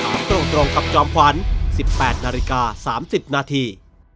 ถามตรงกับจอมขวัญ๑๘นาฬิกา๓๐นาที